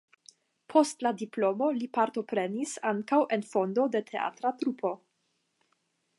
Post la diplomo li partoprenis ankaŭ en fondo de teatra trupo.